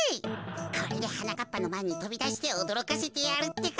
これではなかっぱのまえにとびだしておどろかせてやるってか。